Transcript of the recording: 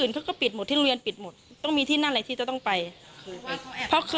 ค่ะก็ไปเจอสภาพลูก